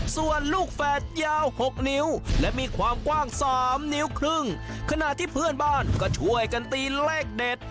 ส่วนลูกแฝดยาวหกนิ้วและมีความกว้างสามนิ้วครึ่งขณะที่เพื่อนบ้านก็ช่วยกันตีเลขเด็ด